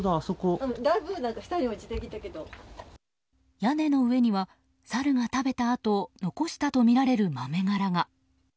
屋根の上にはサルが食べたあと残したとみられる豆殻が。